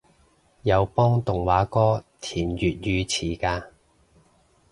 有幫動畫歌填粵語詞嘅